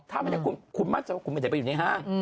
ถ้าไม่ได้คุมคุณมั่นจะว่าคุณไม่ได้ไปอยู่ในห้าง